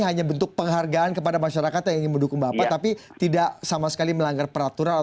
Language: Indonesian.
hanya bentuk penghargaan kepada masyarakat yang ingin mendukung bapak tapi tidak sama sekali melanggar peraturan